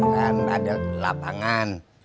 dan ada lapangan